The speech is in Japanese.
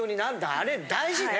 あれ大事ね。